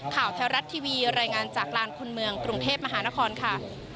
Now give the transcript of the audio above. ข่าวแท้รัฐทีวีรายงานจากลานคนเมืองกรุงเทพมหานครค่ะ